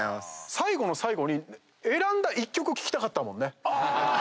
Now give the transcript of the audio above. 最後の最後に選んだ１曲聴きたかったもんね。